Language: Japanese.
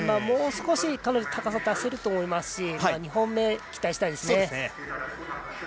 もう少し彼女は高さを出せると思いますし２本目に期待したいですね。